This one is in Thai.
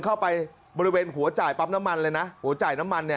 เข้าไปบริเวณหัวจ่ายปั๊บน้ำมันเลยนะหัวจ่ายน้ำมันเนี่ย